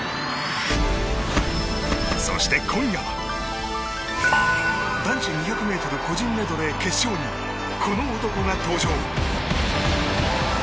そして今夜は男子２００ｍ個人メドレー決勝にこの男が登場。